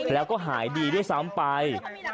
แล้วก็หายดีด้วยซ้ำไป